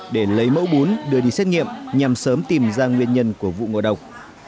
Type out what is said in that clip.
để lấy mẫu bún đưa đi xét nghiệm nhằm sớm tìm ra nguyên nhân của vụ ngộ độc